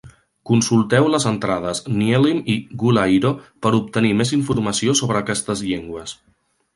Consulteu les entrades "niellim" i "gula iro" per obtenir més informació sobre aquestes llengües.